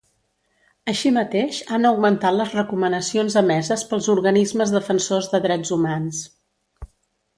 Així mateix, han augmentat les recomanacions emeses pels organismes defensors de drets humans.